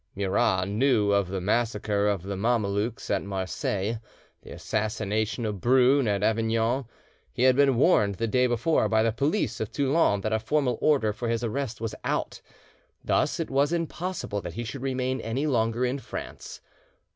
Murat knew of the massacre of the Mamelukes at Marseilles, the assassination of Brune at Avignon; he had been warned the day before by the police of Toulon that a formal order for his arrest was out; thus it was impossible that he should remain any longer in France.